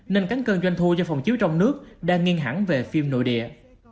nên cánh cơn doanh thu do phòng chiếu trong nước đang nghiêng hẳn về phim nội địa